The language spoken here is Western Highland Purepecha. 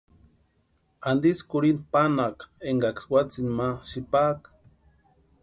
¿Antisï kurhinta pánhaka énkaksï watsïni ma sïpaaka?